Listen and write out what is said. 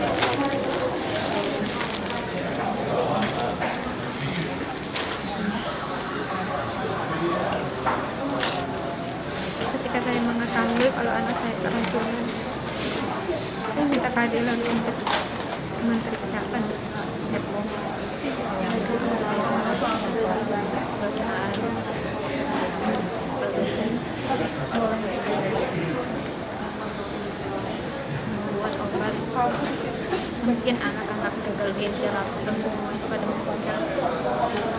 ketika saya mengetahui kalau anak saya terancur saya minta kandilan untuk kementerian kesehatan bepom